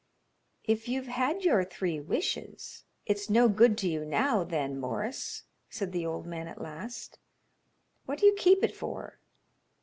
"If you've had your three wishes, it's no good to you now, then, Morris," said the old man at last. "What do you keep it for?"